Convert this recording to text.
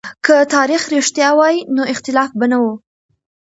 که تاريخ رښتيا وای نو اختلاف به نه و.